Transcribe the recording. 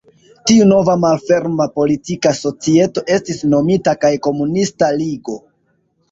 Tiu nova malferma politika societo estis nomita la Komunista Ligo.